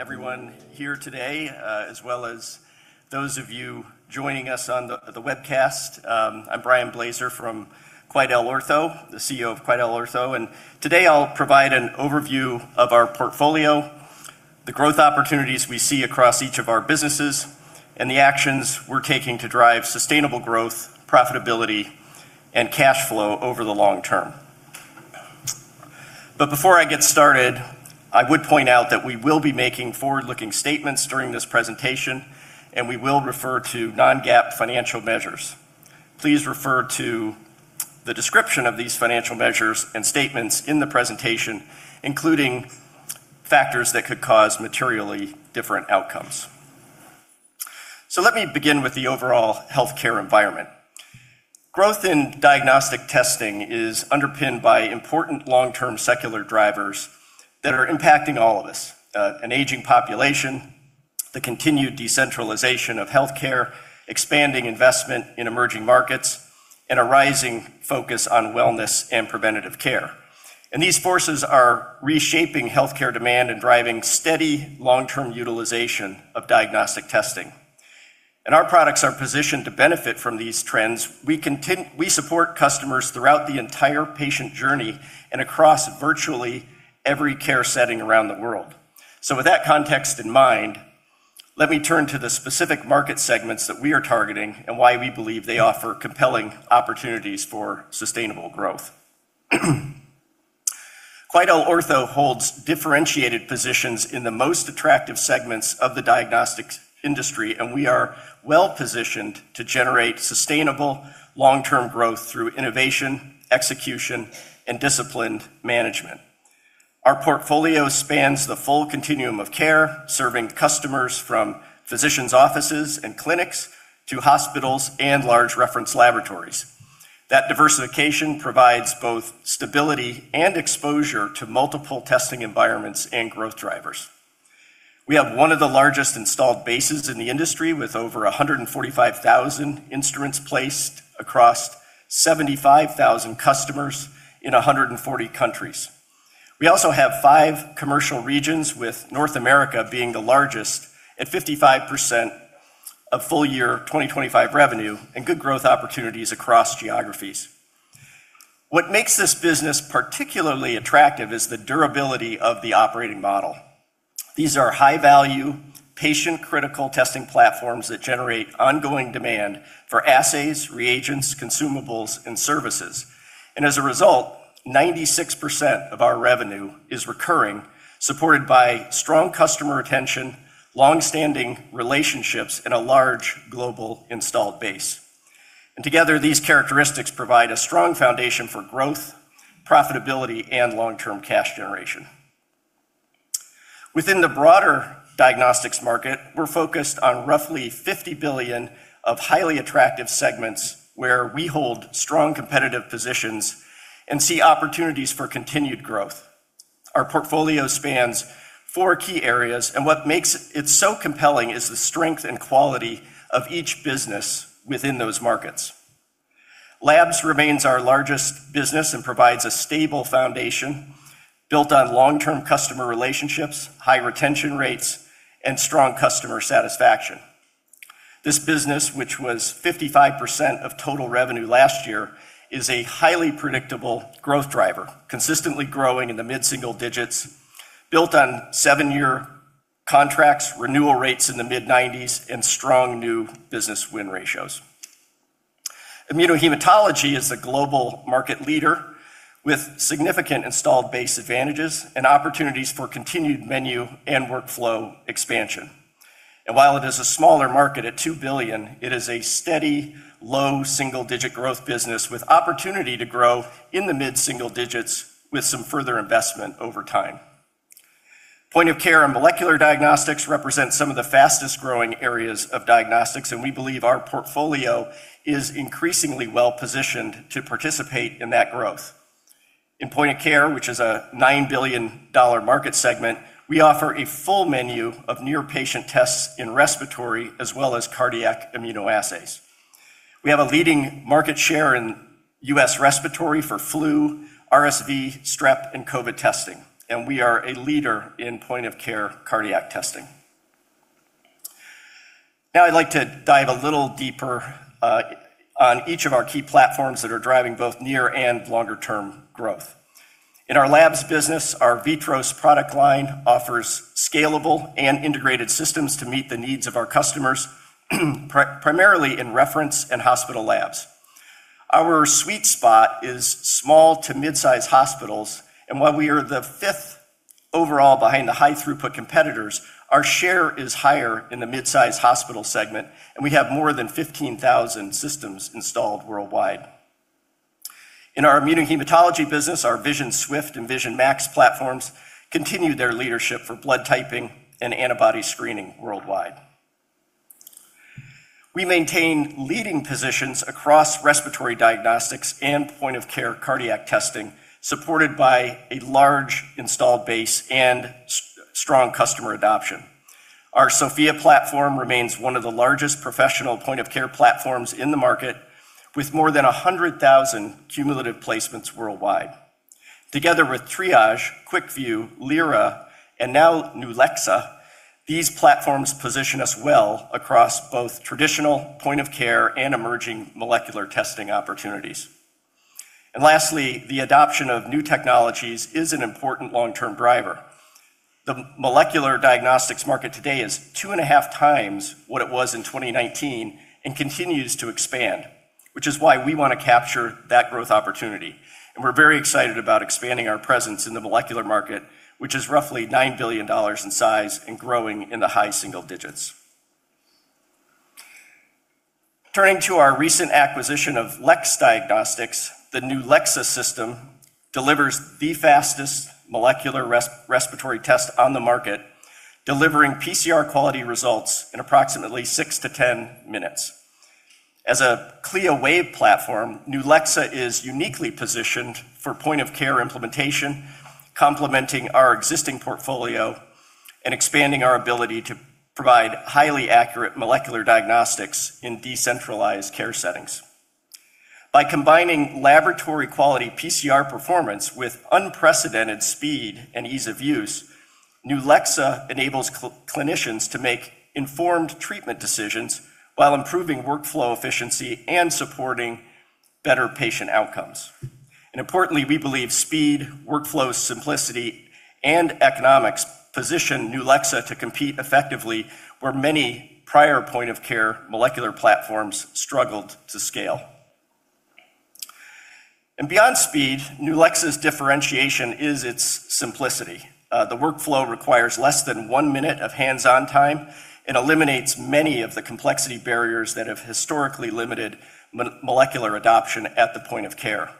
Everyone here today, as well as those of you joining us on the webcast. I'm Brian Blaser from QuidelOrtho, the CEO of QuidelOrtho. Today I'll provide an overview of our portfolio, the growth opportunities we see across each of our businesses, and the actions we're taking to drive sustainable growth, profitability, and cash flow over the long term. Before I get started, I would point out that we will be making forward-looking statements during this presentation, and we will refer to non-GAAP financial measures. Please refer to the description of these financial measures and statements in the presentation, including factors that could cause materially different outcomes. Let me begin with the overall healthcare environment. Growth in diagnostic testing is underpinned by important long-term secular drivers that are impacting all of us: an aging population, the continued decentralization of healthcare, expanding investment in emerging markets, and a rising focus on wellness and preventative care. These forces are reshaping healthcare demand and driving steady long-term utilization of diagnostic testing. Our products are positioned to benefit from these trends. We support customers throughout the entire patient journey and across virtually every care setting around the world. With that context in mind, let me turn to the specific market segments that we are targeting and why we believe they offer compelling opportunities for sustainable growth. QuidelOrtho holds differentiated positions in the most attractive segments of the diagnostics industry, and we are well-positioned to generate sustainable long-term growth through innovation, execution, and disciplined management. Our portfolio spans the full continuum of care, serving customers from physicians' offices and clinics to hospitals and large reference laboratories. That diversification provides both stability and exposure to multiple testing environments and growth drivers. We have one of the largest installed bases in the industry, with over 145,000 instruments placed across 75,000 customers in 140 countries. We also have five commercial regions, with North America being the largest at 55% of full year 2025 revenue and good growth opportunities across geographies. What makes this business particularly attractive is the durability of the operating model. These are high-value, patient-critical testing platforms that generate ongoing demand for assays, reagents, consumables, and services. As a result, 96% of our revenue is recurring, supported by strong customer retention, long-standing relationships, and a large global installed base. Together, these characteristics provide a strong foundation for growth, profitability, and long-term cash generation. Within the broader diagnostics market, we're focused on roughly $50 billion of highly attractive segments where we hold strong competitive positions and see opportunities for continued growth. Our portfolio spans four key areas, and what makes it so compelling is the strength and quality of each business within those markets. Labs remains our largest business and provides a stable foundation built on long-term customer relationships, high retention rates, and strong customer satisfaction. This business, which was 55% of total revenue last year, is a highly predictable growth driver, consistently growing in the mid-single digits, built on seven-year contracts, renewal rates in the mid-90s, and strong new business win ratios. Immunohematology is a global market leader with significant installed base advantages and opportunities for continued menu and workflow expansion. While it is a smaller market at $2 billion, it is a steady, low, single-digit growth business with opportunity to grow in the mid-single digits with some further investment over time. Point of care and molecular diagnostics represent some of the fastest-growing areas of diagnostics, and we believe our portfolio is increasingly well-positioned to participate in that growth. In point of care, which is a $9 billion market segment, we offer a full menu of near-patient tests in respiratory as well as cardiac immunoassays. We have a leading market share in U.S. respiratory for flu, RSV, strep, and COVID testing, and we are a leader in point-of-care cardiac testing. Now I'd like to dive a little deeper on each of our key platforms that are driving both near and longer-term growth. In our labs business, our VITROS product line offers scalable and integrated systems to meet the needs of our customers, primarily in reference and hospital labs. Our sweet spot is small to mid-size hospitals, and while we are the fifth overall behind the high-throughput competitors, our share is higher in the mid-size hospital segment, and we have more than 15,000 systems installed worldwide. In our immunohematology business, our VISION Swift and VISION Max platforms continue their leadership for blood typing and antibody screening worldwide. We maintain leading positions across respiratory diagnostics and point-of-care cardiac testing, supported by a large installed base and strong customer adoption. Our Sofia platform remains one of the largest professional point-of-care platforms in the market, with more than 100,000 cumulative placements worldwide. Together with Triage, QuickVue, Lyra, and now NULEXA, these platforms position us well across both traditional point-of-care and emerging molecular testing opportunities. Lastly, the adoption of new technologies is an important long-term driver. The molecular diagnostics market today is 2.5x what it was in 2019 and continues to expand, which is why we want to capture that growth opportunity. We're very excited about expanding our presence in the molecular market, which is roughly $9 billion in size and growing in the high single digits. Turning to our recent acquisition of LEX Diagnostics, the NULEXA system delivers the fastest molecular respiratory test on the market, delivering PCR-quality results in approximately six to 10 minutes. As a CLIA waived platform, NULEXA is uniquely positioned for point-of-care implementation, complementing our existing portfolio and expanding our ability to provide highly accurate molecular diagnostics in decentralized care settings. By combining laboratory-quality PCR performance with unprecedented speed and ease of use, NULEXA enables clinicians to make informed treatment decisions while improving workflow efficiency and supporting better patient outcomes. Importantly, we believe speed, workflow simplicity, and economics position NULEXA to compete effectively where many prior point-of-care molecular platforms struggled to scale. Beyond speed, NULEXA's differentiation is its simplicity. The workflow requires less than one minute of hands-on time and eliminates many of the complexity barriers that have historically limited molecular adoption at the point of care.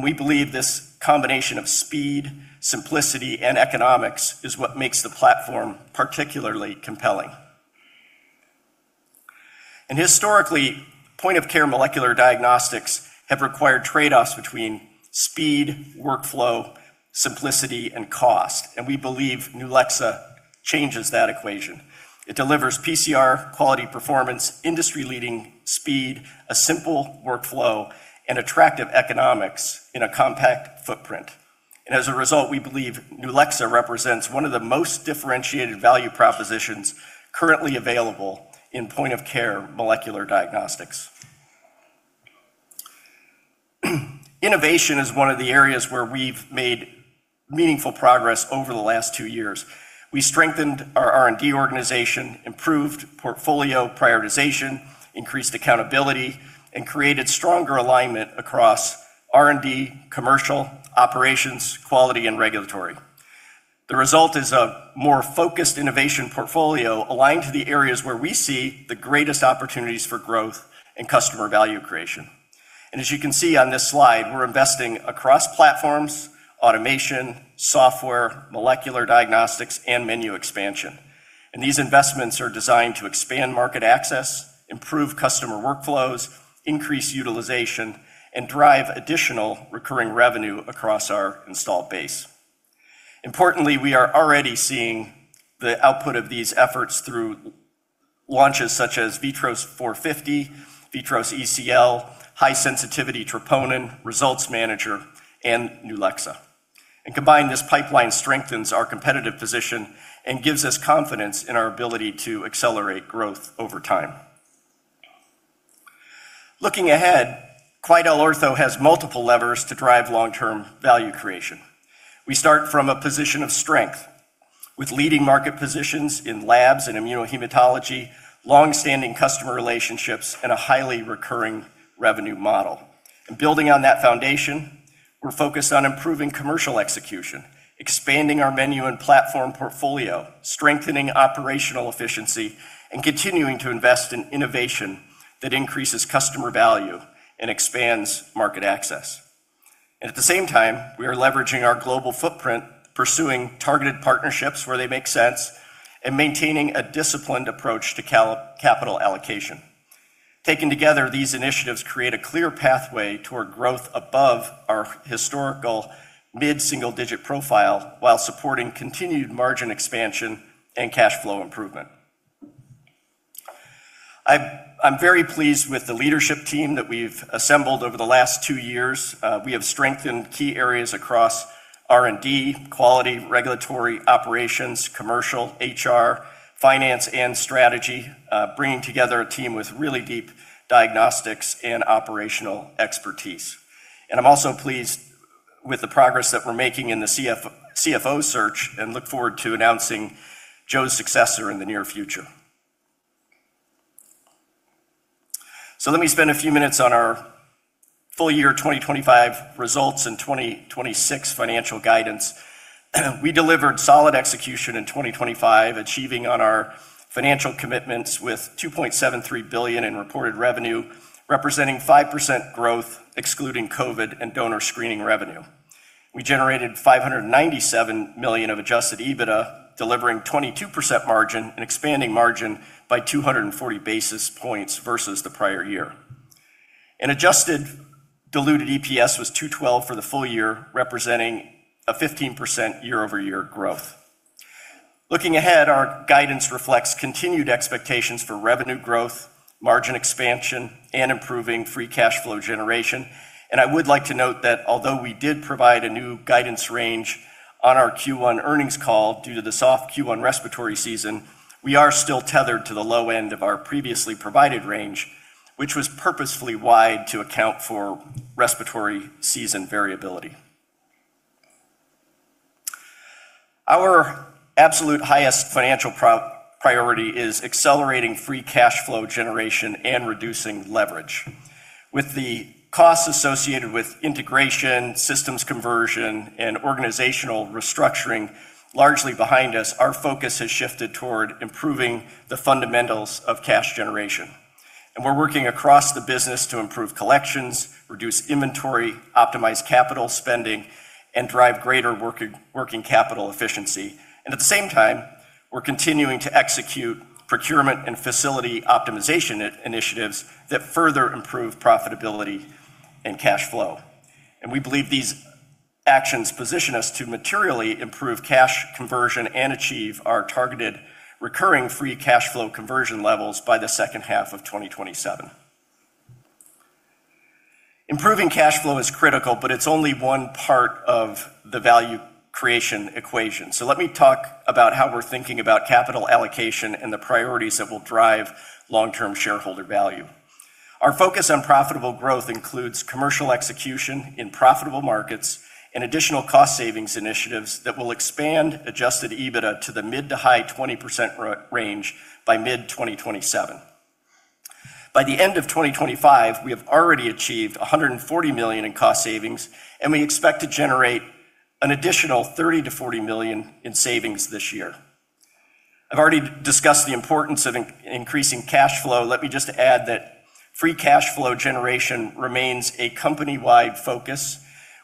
We believe this combination of speed, simplicity, and economics is what makes the platform particularly compelling. Historically, point-of-care molecular diagnostics have required trade-offs between speed, workflow, simplicity, and cost, and we believe NULEXA changes that equation. It delivers PCR-quality performance, industry-leading speed, a simple workflow, and attractive economics in a compact footprint. As a result, we believe NULEXA represents one of the most differentiated value propositions currently available in point-of-care molecular diagnostics. Innovation is one of the areas where we've made meaningful progress over the last two years. We strengthened our R&D organization, improved portfolio prioritization, increased accountability, and created stronger alignment across R&D, commercial, operations, quality, and regulatory. The result is a more focused innovation portfolio aligned to the areas where we see the greatest opportunities for growth and customer value creation. As you can see on this slide, we're investing across platforms, automation, software, molecular diagnostics, and menu expansion. These investments are designed to expand market access, improve customer workflows, increase utilization, and drive additional recurring revenue across our installed base. Importantly, we are already seeing the output of these efforts through launches such as VITROS 450, VITROS ECiQ, High-Sensitivity Troponin, RESULTS MANAGER, and NULEXA. Combined, this pipeline strengthens our competitive position and gives us confidence in our ability to accelerate growth over time. Looking ahead, QuidelOrtho has multiple levers to drive long-term value creation. We start from a position of strength, with leading market positions in labs and immunohematology, long-standing customer relationships, and a highly recurring revenue model. Building on that foundation, we're focused on improving commercial execution, expanding our menu and platform portfolio, strengthening operational efficiency, and continuing to invest in innovation that increases customer value and expands market access. At the same time, we are leveraging our global footprint, pursuing targeted partnerships where they make sense, and maintaining a disciplined approach to capital allocation. Taken together, these initiatives create a clear pathway toward growth above our historical mid-single-digit profile while supporting continued margin expansion and cash flow improvement. I'm very pleased with the leadership team that we've assembled over the last two years. We have strengthened key areas across R&D, quality, regulatory, operations, commercial, HR, finance, and strategy, bringing together a team with really deep diagnostics and operational expertise. I'm also pleased with the progress that we're making in the CFO search and look forward to announcing Joe's successor in the near future. Let me spend a few minutes on our full year 2025 results and 2026 financial guidance. We delivered solid execution in 2025, achieving on our financial commitments with $2.73 billion in reported revenue, representing 5% growth excluding COVID and donor screening revenue. We generated $597 million of adjusted EBITDA, delivering 22% margin and expanding margin by 240 basis points versus the prior year. Adjusted diluted EPS was $2.12 for the full year, representing a 15% year-over-year growth. Looking ahead, our guidance reflects continued expectations for revenue growth, margin expansion, and improving free cash flow generation. I would like to note that although we did provide a new guidance range on our Q1 earnings call due to the soft Q1 respiratory season, we are still tethered to the low end of our previously provided range, which was purposefully wide to account for respiratory season variability. Our absolute highest financial priority is accelerating free cash flow generation and reducing leverage. With the costs associated with integration, systems conversion, and organizational restructuring largely behind us, our focus has shifted toward improving the fundamentals of cash generation. We're working across the business to improve collections, reduce inventory, optimize capital spending, and drive greater working capital efficiency. At the same time, we're continuing to execute procurement and facility optimization initiatives that further improve profitability and cash flow. We believe these actions position us to materially improve cash conversion and achieve our targeted recurring free cash flow conversion levels by the second half of 2027. Improving cash flow is critical, but it's only one part of the value creation equation. Let me talk about how we're thinking about capital allocation and the priorities that will drive long-term shareholder value. Our focus on profitable growth includes commercial execution in profitable markets and additional cost savings initiatives that will expand adjusted EBITDA to the mid to high 20% range by mid-2027. By the end of 2025, we have already achieved $140 million in cost savings, and we expect to generate an additional $30 million-$40 million in savings this year. I've already discussed the importance of increasing cash flow. Let me just add that free cash flow generation remains a company-wide focus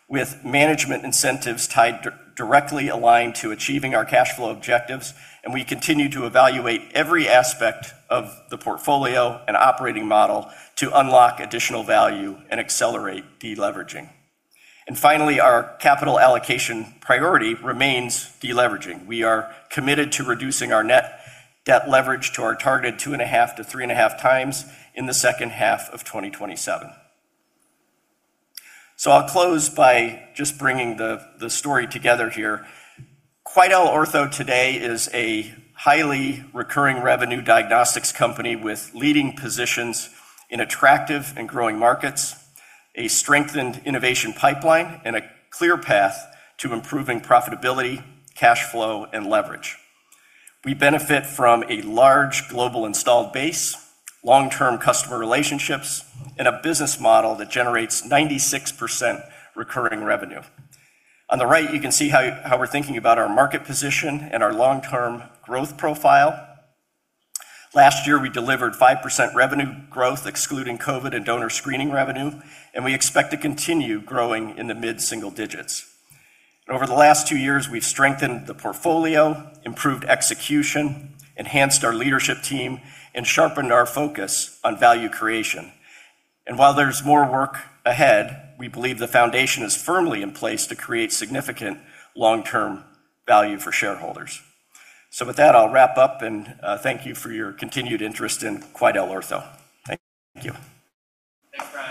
with management incentives tied directly aligned to achieving our cash flow objectives. We continue to evaluate every aspect of the portfolio and operating model to unlock additional value and accelerate deleveraging. Finally, our capital allocation priority remains deleveraging. We are committed to reducing our net debt leverage to our targeted 2.5x-3.5x in the second half of 2027. I'll close by just bringing the story together here. QuidelOrtho today is a highly recurring revenue diagnostics company with leading positions in attractive and growing markets, a strengthened innovation pipeline, and a clear path to improving profitability, cash flow, and leverage. We benefit from a large global installed base, long-term customer relationships, and a business model that generates 96% recurring revenue. On the right, you can see how we're thinking about our market position and our long-term growth profile. Last year, we delivered 5% revenue growth, excluding COVID and donor screening revenue, and we expect to continue growing in the mid-single digits. Over the last two years, we've strengthened the portfolio, improved execution, enhanced our leadership team, and sharpened our focus on value creation. While there's more work ahead, we believe the foundation is firmly in place to create significant long-term value for shareholders. With that, I'll wrap up and thank you for your continued interest in QuidelOrtho. Thank you. Thanks, Brian.